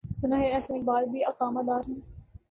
سناہے احسن اقبال بھی اقامہ دارہیں۔